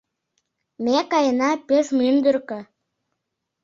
Ме каена пеш мӱндыркӧ